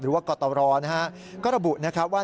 หรือว่ากตรนะฮะก็ระบุนะครับว่า